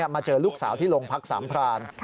มาเจอลูกสาวที่โรงพักสามพราน